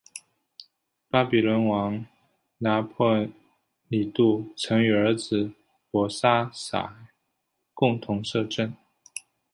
巴比伦王拿波尼度曾与儿子伯沙撒共同摄政。